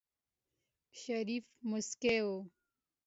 شريف موسکی و.